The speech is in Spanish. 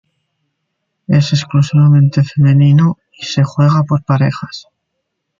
Es exclusivamente femenino y se juega por parejas.